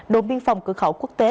đồn biên phòng cửa khẩu quốc tế